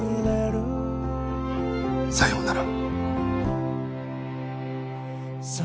さようなら。